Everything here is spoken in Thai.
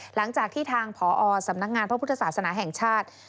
หลังจากที่ทางผอสำนักงานพระพุทธศาสนาแห่งชาติ